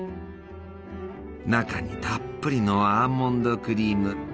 中にたっぷりのアーモンドクリーム。